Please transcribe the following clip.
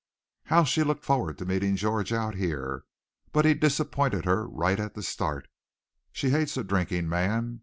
"How she looked forward to meeting George out here! But he disappointed her right at the start. She hates a drinking man.